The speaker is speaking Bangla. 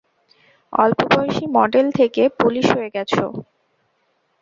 অল্পবয়সী মডেল থেকে পুলিশ হয়ে গেছো।